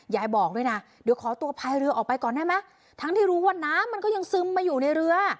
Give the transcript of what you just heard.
ยายบอกด้วยนะเดี๋ยวขอตัวพายเรือออกไปก่อนได้ไหมทั้งที่รู้ว่าน้ำมันก็ยังซึมมาอยู่ในเรือ